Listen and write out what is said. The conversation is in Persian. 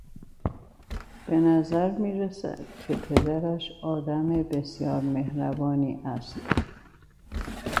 به نظر میرسد که پدرش آدم بسیار مهربانی است.